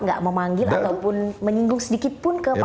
nggak mau manggil ataupun menyinggung sedikitpun ke pak luhut